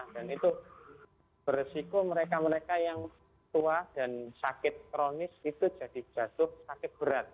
dan itu beresiko mereka mereka yang tua dan sakit kronis itu jadi jatuh sakit berat